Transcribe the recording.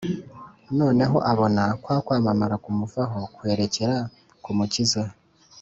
Noneho abona kwa kwamamara kumuvaho kwerekera ku Mukiza.